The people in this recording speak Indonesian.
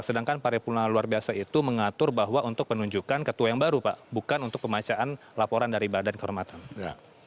sedangkan paripurna luar biasa itu mengatur bahwa untuk penunjukan ketua yang baru pak bukan untuk pembacaan laporan dari badan kehormatan